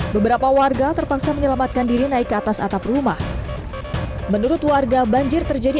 beberapa warga terpaksa menyelamatkan diri naik ke atas atap rumah menurut warga banjir terjadi